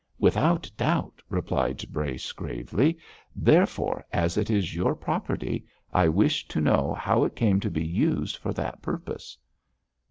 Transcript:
'Without doubt!' replied Brace, gravely. 'Therefore, as it is your property, I wish to know how it came to be used for that purpose.'